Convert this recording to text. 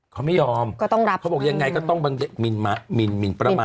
เขาไม่ยอมก็ต้องรับเขาบอกยังไงก็ต้องหมินประมาท